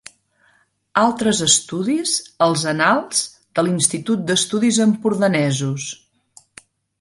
Altres estudis als Annals de l'Institut d'Estudis Empordanesos.